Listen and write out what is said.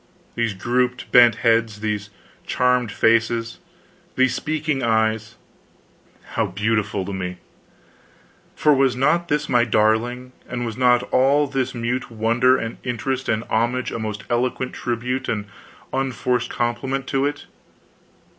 These grouped bent heads, these charmed faces, these speaking eyes how beautiful to me! For was not this my darling, and was not all this mute wonder and interest and homage a most eloquent tribute and unforced compliment to it?